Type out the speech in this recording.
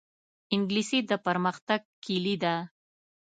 انګلیسي د پرمختګ کلي ده